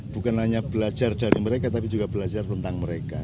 bukan hanya belajar dari mereka tapi juga belajar tentang mereka